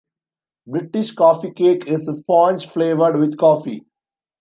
British Coffee cake is a sponge flavoured with coffee.